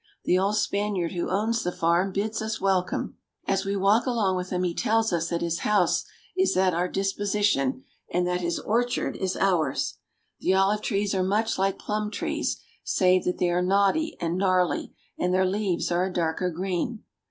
The old Spaniard who owns the farm bids us welcome. As we walk along with him he tells us that his house is at our disposition, and that his orchard is ours. The olive trees are much like plum trees, save that they are knotty and gnarly, and their leaves are a darker green.